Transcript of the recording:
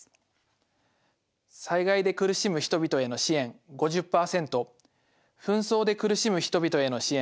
「災害で苦しむ人々への支援」５０％「紛争で苦しむ人々への支援」